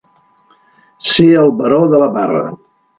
Ser el baró de la Barra.